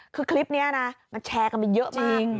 คือคลิปนี้นะมันแชร์กันมาเยอะมากจริง